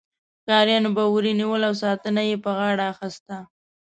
ښکاریانو به وري نیول او ساتنه یې په غاړه اخیسته.